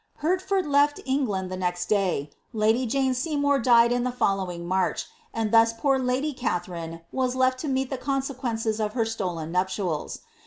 Hertford \e(t England the neit day; Udy Jane Seymour died in the following March, and thus poor lady Katharine was lefl lo meet Ihe consequences of her stolen nuptials.